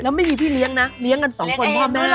แล้วไม่มีพี่เลี้ยงนะเลี้ยงกันสองคนพ่อแม่